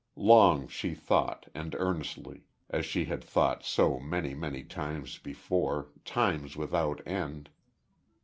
Long, she thought, and earnestly as she had thought so many, many times before times without end....